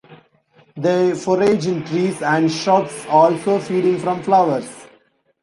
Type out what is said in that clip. They forage in trees and shrubs, also feeding from flowers.